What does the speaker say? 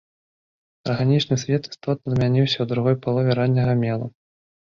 Арганічны свет істотна змяніўся ў другой палове ранняга мелу.